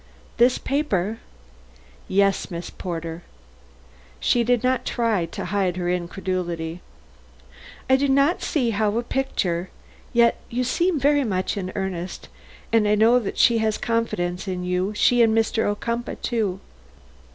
"This paper?" "Yes, Miss Porter." She did not try to hide her incredulity. "I do not see how a picture yet you seem very much in earnest and I know she has confidence in you, she and Mr. Ocumpaugh, too.